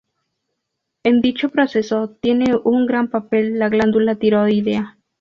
En dicho proceso tiene un gran papel la glándula tiroidea.